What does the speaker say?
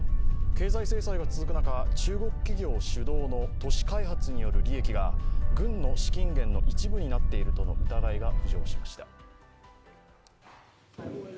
経済製剤が続く中、中国企業が主導の都市開発による利益が軍の資金源の一部になっているとの疑いが浮上しました。